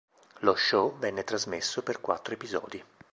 Lo show venne trasmesso per quattro episodi.